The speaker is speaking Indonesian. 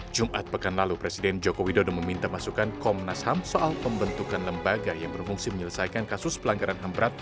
jumat pekan lalu presiden joko widodo meminta masukan komnas ham soal pembentukan lembaga yang berfungsi menyelesaikan kasus pelanggaran ham berat